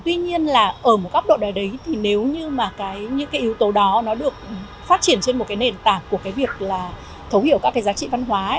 tuy nhiên ở một góc độ đó nếu như những yếu tố đó được phát triển trên một nền tảng của việc thấu hiểu các giá trị văn hóa